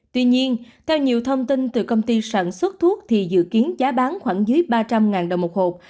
tuy nhiên theo nhiều thông tin từ công ty sản xuất thuốc thì dự kiến giá bán khoảng dưới ba trăm linh đồng một hộp